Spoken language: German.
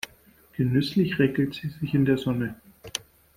Genüsslich räkelt sie sich in der Sonne.